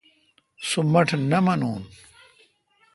سو مٹھ نہ مانوں۔